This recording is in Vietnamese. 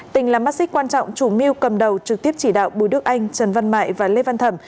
tình là mắt xích quan trọng chủ mưu cầm đầu trực tiếp chỉ đạo bùi đức anh trần văn mại và lê văn thẩm